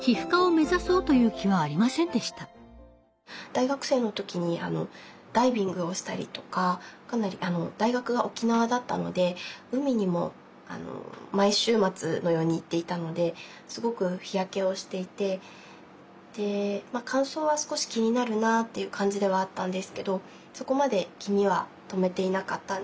大学生の時にダイビングをしたりとか大学が沖縄だったので海にも毎週末のように行っていたのですごく日焼けをしていて乾燥は少し気になるなっていう感じではあったんですけどそこまで気には留めていなかったんです。